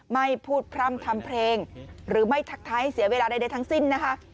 ไม่พูดพร่ำทำเพลงหรือไม่ทักท้ายให้เสียเวลาใดทั้งสิ้นนะคะ